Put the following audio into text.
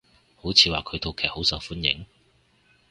好似話佢套劇好受歡迎？